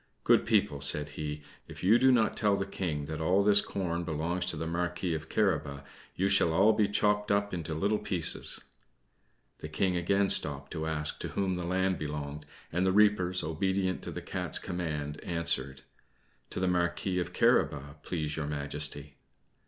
"Good people," said he, "if you do not tell the King that all this corn belongs to the Marquis of Carabas, you shall all be chopped up into little pieces." The King again stopped to ask to whom the land belonged, and the reapers, obedient to the Cat's command, answered "To the Marquis of Carabas, please Your Majesty."